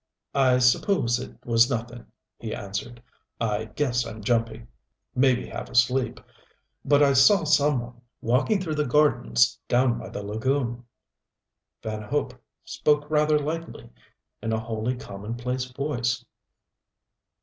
"I suppose it was nothing," he answered. "I guess I'm jumpy. Maybe half asleep. But I saw some one walking through the gardens down by the lagoon." Van Hope spoke rather lightly, in a wholly commonplace voice.